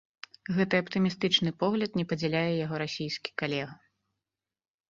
Гэты аптымістычны погляд не падзяляе яго расійскі калега.